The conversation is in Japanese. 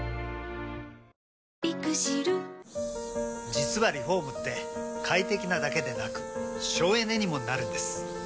実はリフォームって快適なだけでなく省エネにもなるんです。